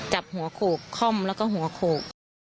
จับหัวโขกค่อมแล้วก็หัวโขก